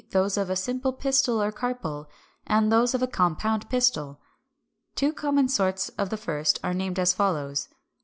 those of a simple pistil or carpel, and those of a compound pistil. Two common sorts of the first are named as follows: 367.